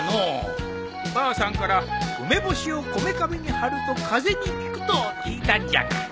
ばあさんから梅干しをこめかみに貼ると風邪に効くと聞いたんじゃが。